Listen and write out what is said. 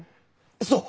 そう。